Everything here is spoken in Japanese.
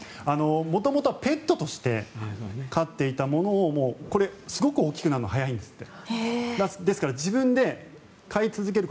元々はペットとして飼っていたものをこれ、すごく大きくなるのが早いんですって。